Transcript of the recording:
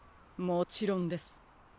もちろんです。